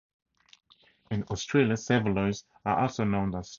In Australia, saveloys are also known as cheerios.